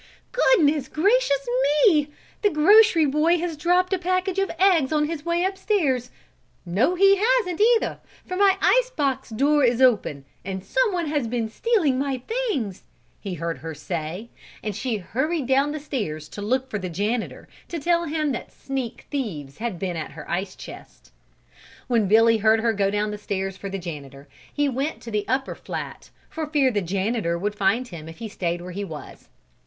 "Goodness, gracious, me! The grocery boy has dropped a package of eggs on his way up stairs. No he hasn't either, for my ice box door is open and someone has been stealing my things!" he heard her say, and she hurried down stairs to look for the janitor to tell him that sneak thieves had been at her ice chest. When Billy heard her go down the stairs for the janitor, he went to the upper flat, for fear the janitor would find him if he stayed where he was.